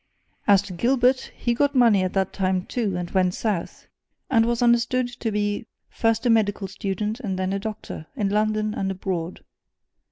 As to Gilbert, he got money at that time, too, and went south, and was understood to be first a medical student and then a doctor, in London and abroad.